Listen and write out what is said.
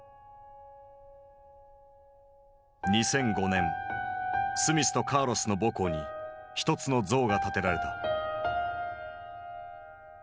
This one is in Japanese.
２００５年スミスとカーロスの母校に一つの像が建てられた。